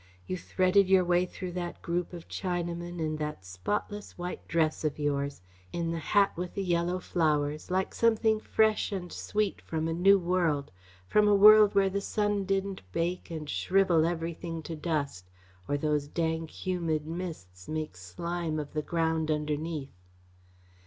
You threaded your way through that group of Chinamen in that spotless white dress of yours, in the hat with the yellow flowers, like something fresh and sweet from a new world from a world where the sun didn't bake and shrivel everything to dust, or those dank, humid mists make slime of the ground underneath."